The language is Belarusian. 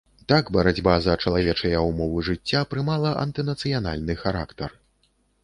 Так барацьба за чалавечыя ўмовы жыцця прымала антынацыянальны характар.